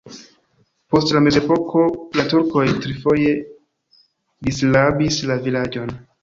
Post la mezepoko la turkoj trifoje disrabis la vilaĝon.